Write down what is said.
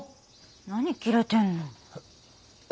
何キレてんの。え？